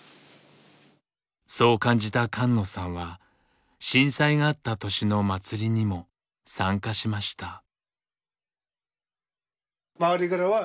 そう感じた菅野さんは震災があった年の祭りにも参加しました。